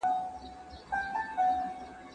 تاسو وړتیا لرئ.